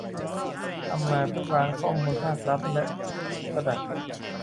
ธรรมาภิบาลข้อมูลภาครัฐ และระดับ